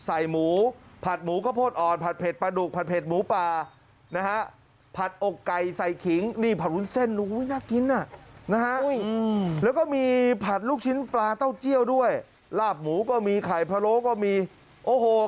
อาหารสิครับพี่ปุ้ยอาหารสวยดีอาหารหน้าอร่อยดีฮ่า